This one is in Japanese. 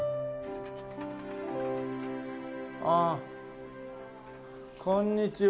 ああこんにちは。